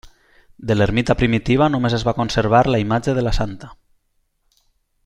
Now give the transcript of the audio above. De l'ermita primitiva només es va conservar la imatge de la santa.